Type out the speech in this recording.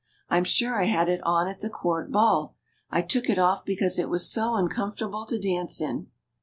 I'm sure I had it on at the court ball ; I took it off because it was so uncom fortable to dance in."